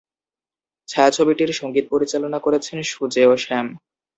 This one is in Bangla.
ছায়াছবিটির সঙ্গীত পরিচালনা করেছেন সুজেয় শ্যাম।